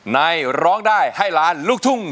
ร้องได้ให้ล้านลูกทุ่ง